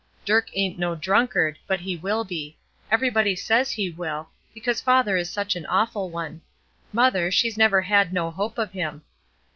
Dirk ain't no drunkard; but he will be. Everybody says he will, because father is such an awful one. Mother, she's never had no hope of him.